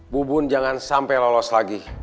bu bun jangan sampai lolos lagi